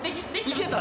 いけた？